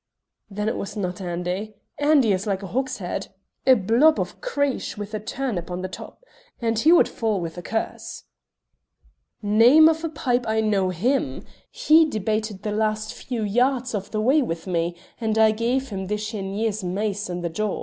"Then it was not Andy. Andy is like a hogshead a blob of creesh with a turnip on the top and he would fall with a curse." "Name of a pipe! I know him; he debated the last few yards of the way with me, and I gave him De Chenier's mace in the jaw."